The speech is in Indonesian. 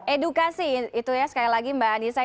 edukasi itu ya sekali lagi mbak anissa